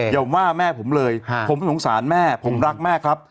อย่าว่าแม่ผมเลยผมสงสารแม่ผมรักแม่ครับ